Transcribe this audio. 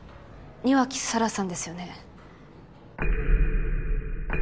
庭木紗良さんですよね？